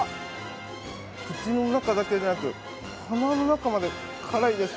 口の中だけでなく、鼻の中まで辛いです。